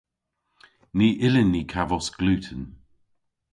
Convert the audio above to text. Ny yllyn ni kavos gluten.